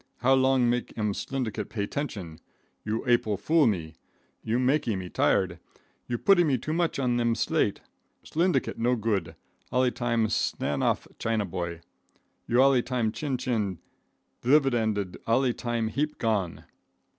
How Long make em slyndicate pay tention. You April foolee me. You makee me tlired. You putee me too much on em slate. Slyndicate no good. Allee time stanemoff China boy. You allee time chin chin. Dlividend allee time heap gone."